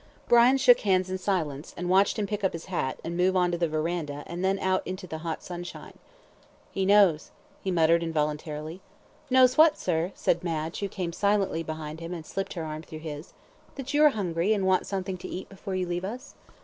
Brian shook hands in silence, and watched him pick up his hat, and move on to the verandah, and then out into the hot sunshine. "He knows," he muttered involuntarily. "Knows what, sir?" said Madge, who came silently behind him, and slipped her arm through his. "That you are hungry, and want something to eat before you leave us?"